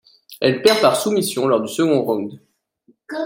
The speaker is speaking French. Elle perd par soumission lors du second round.